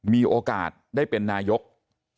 มีโอกาสได้เป็นนายก